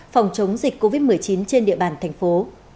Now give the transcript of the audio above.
phòng chống dịch covid một mươi chín trên địa bàn thành phố